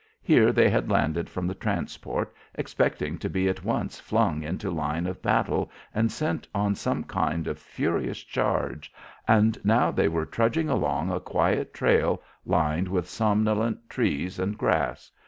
Here they had landed from the transport expecting to be at once flung into line of battle and sent on some kind of furious charge, and now they were trudging along a quiet trail lined with somnolent trees and grass.